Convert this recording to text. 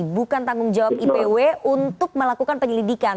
bukan tanggung jawab ipw untuk melakukan penyelidikan